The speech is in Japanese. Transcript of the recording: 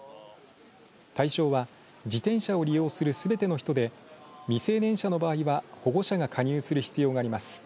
対象は、自転車を利用するすべての人で未成年者の場合は保護者が加入する必要があります。